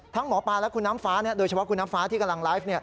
หมอปลาและคุณน้ำฟ้าโดยเฉพาะคุณน้ำฟ้าที่กำลังไลฟ์